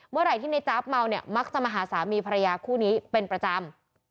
เมื่อไหร่ที่ในจ๊าบเมาเนี่ยมักจะมาหาสามีภรรยาคู่นี้เป็นประจำ